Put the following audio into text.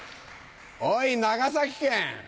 おい長崎県！